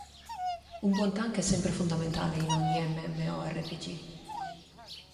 Un buon tank è sempre fondamentale in ogni mmorpg.